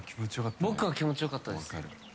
僕は気持ちよかったです。